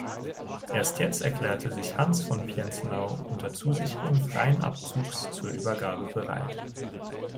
Erst jetzt erklärte sich Hans von Pienzenau unter Zusicherung freien Abzugs zur Übergabe bereit.